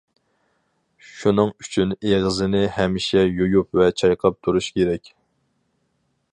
شۇنىڭ ئۈچۈن ئېغىزنى ھەمىشە يۇيۇپ ۋە چايقاپ تۇرۇش كېرەك.